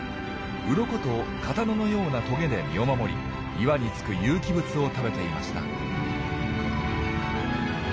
ウロコと刀のようなトゲで身を守り岩につく有機物を食べていました。